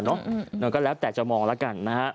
เราก็แล้วแต่จะมองแล้วกัน